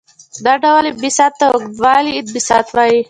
دغه ډول انبساط ته اوږدوالي انبساط وايي.